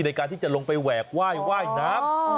ในการที่จะลงไปแหวกว่ายน้ำ